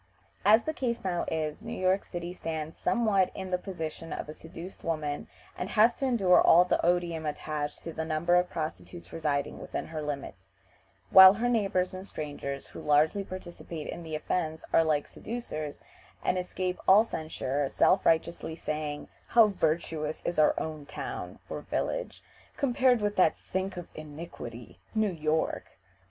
As the case now is, New York City stands somewhat in the position of a seduced woman, and has to endure all the odium attached to the number of prostitutes residing within her limits; while her neighbors and strangers who largely participate in the offense are like seducers, and escape all censure, self righteously saying, "How virtuous is our town (or village) compared with that sink of iniquity, New York."